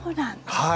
はい。